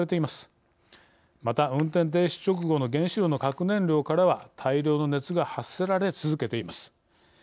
また、運転停止直後の原子炉の核燃料からは大量の熱が発せられ続けています。